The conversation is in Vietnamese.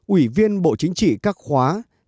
ủy viên bộ chính trị các khóa năm sáu bảy tám